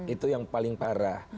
itu yang paling parah